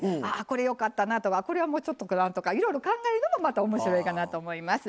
これよかったなとかこれはもうちょっとかなとかいろいろ考えるのもまた面白いかなと思います。